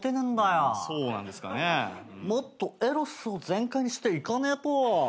もっとエロスを全開にしていかねえと。